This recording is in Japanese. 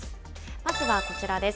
まずはこちらです。